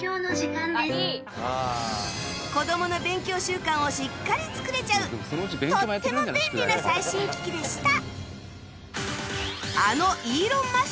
子どもの勉強習慣をしっかり作れちゃうとっても便利な最新機器でした